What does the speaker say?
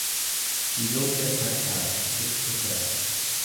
You don't get typecast, Cook professed.